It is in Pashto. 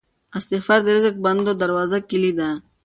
استغفار د رزق د بندو دروازو کیلي ده.